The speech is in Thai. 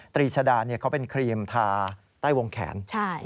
ตรีชดาเขาเป็นครีมทาใต้วงแขน